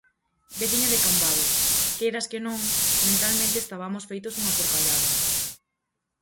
Veciña de Cambados: Queiras que non, mentalmente estabamos feitos unha porcallada.